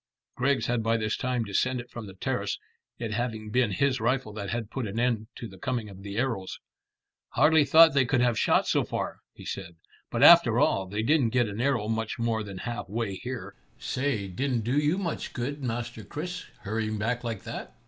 Griggs had by this time descended from the terrace, it having been his rifle that had put an end to the coming of the arrows. "Hardly thought they could have shot so far," he said; "but after all, they didn't get an arrow much more than half way here. Say, didn't do you much good, Master Chris, hurrying back like that."